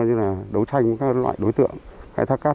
thì chúng tôi đã có chuyên suốt đấu tranh các loại đối tượng khai thác cát